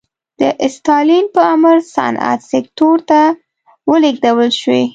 د ستالین په امر صنعت سکتور ته ولېږدول شوې.